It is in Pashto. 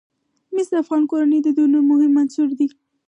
مس د افغان کورنیو د دودونو مهم عنصر دی.